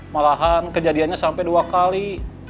malahan kejadiannya sampai dua kali